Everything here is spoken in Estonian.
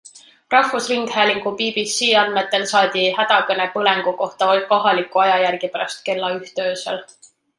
Rahvusringhäälingu BBC andmetel saadi hädakõne põlengu kohta kohaliku aja järgi pärast kella ühte öösel.